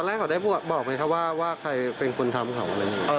ตอนแรกเขาได้บอกไว้ครับว่าใครเป็นคนทำของมัน